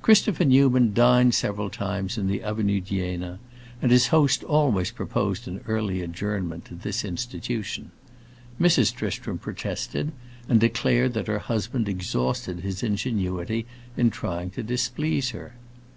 Christopher Newman dined several times in the Avenue d'Iéna, and his host always proposed an early adjournment to this institution. Mrs. Tristram protested, and declared that her husband exhausted his ingenuity in trying to displease her.